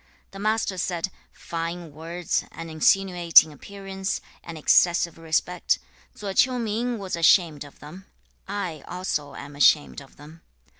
The Master said, 'Fine words, an insinuating appearance, and excessive respect; Tso Ch'iu ming was ashamed of them. I also am ashamed of them.